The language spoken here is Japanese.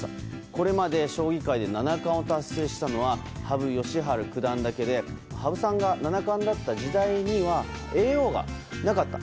これまで将棋界で七冠を達成したのは羽生九段だけで羽生さんが七冠だった時代には叡王がなかった。